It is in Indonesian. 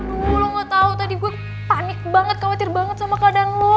aduh lo gak tau tadi gue panik banget khawatir banget sama kadang lu